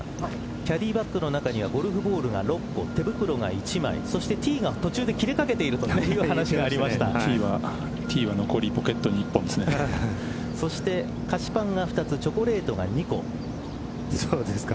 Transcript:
キャディーバックの中にはゴルフボールが６個手袋が１枚そしてティーが途中で切れかけているという話がティーは残りポケットにそして菓子パンが２つそうですか。